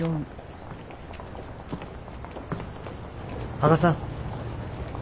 羽賀さん。